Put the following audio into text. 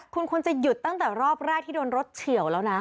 คุณควรจะหยุดตั้งแต่รอบแรกที่โดนรถเฉียวแล้วนะ